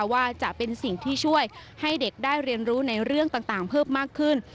ว่าจะเป็นสิ่งที่ช่วยให้เด็กได้เรียนรู้ในเรื่องต่างเพิ่มมากขึ้น